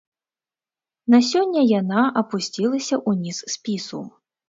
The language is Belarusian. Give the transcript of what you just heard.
На сёння яна апусцілася ў ніз спісу.